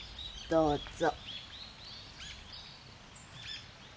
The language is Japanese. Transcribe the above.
どうぞ。